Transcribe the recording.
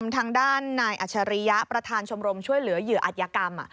ทางด้านนายอัชริยะประธานชมรมช่วยเหลือเหยื่ออัธยกรรม